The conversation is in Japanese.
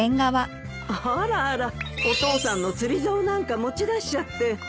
あらあらお父さんの釣りざおなんか持ち出しちゃって。